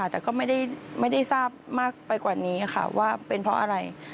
แต่ก็ไม่ได้ทราบมากไปกว่านี้ค่ะว่าเป็นเพราะอะไร